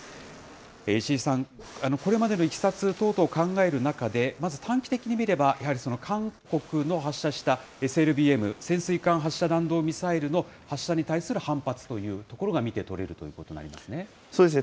石井さん、これまでのいきさつ等々考える中で、まず短期的に見れば、やはり韓国の発射したＳＬＢＭ・潜水艦発射弾道ミサイルの発射に対する反発というところが見て取れるということになりますね。